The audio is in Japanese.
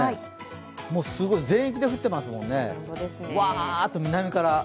すごい、全域で降っていますもんね、わーっと南から。